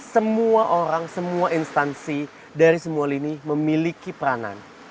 semua orang semua instansi dari semua lini memiliki peranan